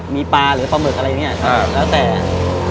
มีปลาหรือปลาหมึกอะไรอย่างนี้นะครับ